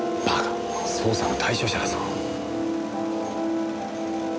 捜査の対象者だぞ。